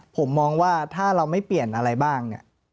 ผมมองว่าถ้าเราไม่เปลี่ยนอะไรบ้างเนี่ย